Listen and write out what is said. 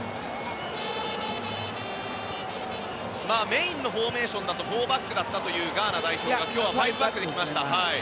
メインのフォーメーションだと４バックだったというガーナ代表が今日は５バックできました。